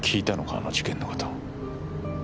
あの事件の事を。